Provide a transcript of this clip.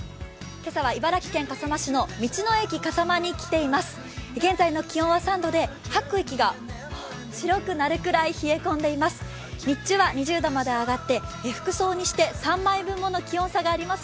今朝は茨城県笠間市の道の駅かさまに来ています。